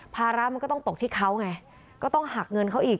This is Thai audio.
ภาระมันก็ต้องตกที่เขาไงก็ต้องหักเงินเขาอีก